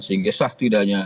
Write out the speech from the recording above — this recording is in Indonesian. sehingga sah tidak hanya sk ini